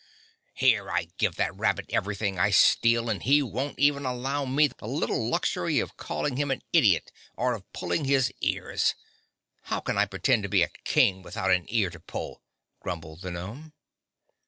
"Here I give that rabbit everything I steal and he won't even allow me the little luxury of calling him an idiot or of pulling his ears. How can I pretend to be a King without an ear to pull?" grumbled the gnome.